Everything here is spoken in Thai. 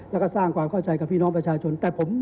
แล้วก็สร้างความเข้าใจกับพี่น้องประชาชน